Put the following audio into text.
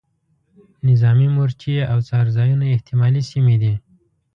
نظامي مورچې او څار ځایونه احتمالي سیمې دي.